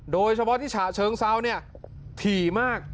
โดยเฉพาะที่ฉะเชิงเซาเนี่ยถี่มาก